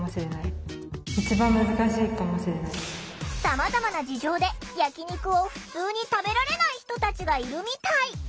さまざまな事情で焼き肉を「ふつう」に食べられない人たちがいるみたい。